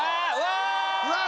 うわ！